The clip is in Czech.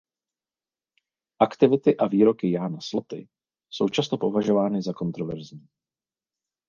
Aktivity a výroky Jána Sloty jsou často považovány za kontroverzní.